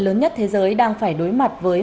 lớn nhất thế giới đang phải đối mặt với